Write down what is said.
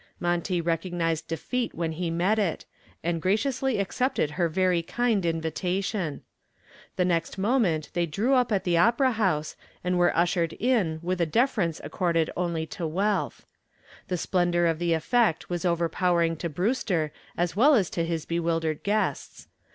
Monty recognized defeat when he met it, and graciously accepted her very kind invitation. The next moment they drew up at the opera house and were ushered in with a deference accorded only to wealth. The splendor of the effect was overpowering to Brewster as well as to his bewildered guests.